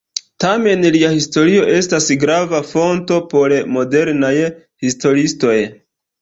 Tamen lia historio estas grava fonto por modernaj historiistoj.